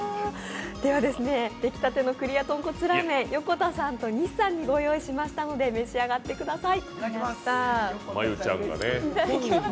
できたてのクリア豚骨ラーメン、横田さんと西さんに御用意しましたのでお召し上がりください。